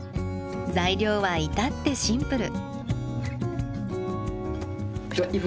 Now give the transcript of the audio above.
材料は至ってシンプル。